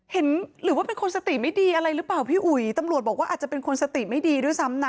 หรือว่าเป็นคนสติไม่ดีอะไรหรือเปล่าพี่อุ๋ยตำรวจบอกว่าอาจจะเป็นคนสติไม่ดีด้วยซ้ำนะ